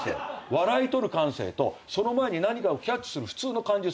笑い取る感性とその前に何かをキャッチする普通の感受性。